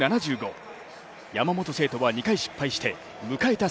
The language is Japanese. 山本聖途は２回失敗して迎えた